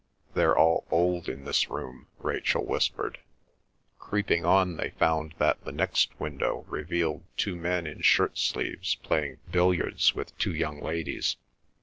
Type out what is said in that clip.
"They're all old in this room," Rachel whispered. Creeping on, they found that the next window revealed two men in shirt sleeves playing billiards with two young ladies.